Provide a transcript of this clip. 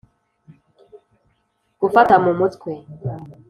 gufata mu mutwe